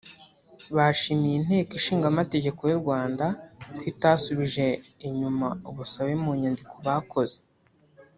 Bashimiye inteko ishinga amategeko y’u Rwanda ko itasubije inyuma ubusabe mu nyandiko bakoze